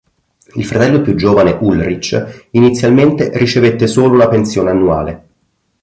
Il fratello più giovane Ulrich inizialmente ricevette solo una pensione annuale.